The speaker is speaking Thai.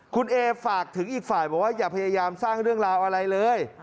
คุณเอฝากถึงอีกฝ่ายบอกว่าอย่าพยายามสร้างเรื่องราวอะไรเลย